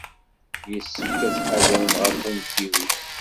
Yessefk ad tḥadrem ɣef umtiweg.